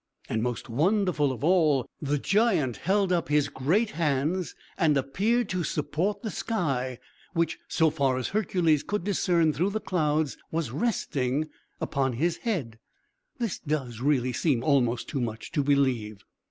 And, most wonderful of all, the giant held up his great hands and appeared to support the sky, which, so far as Hercules could discern through the clouds, was resting upon his head! This does really seem almost too much to believe.